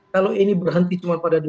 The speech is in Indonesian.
kalau ini berhenti cuma pada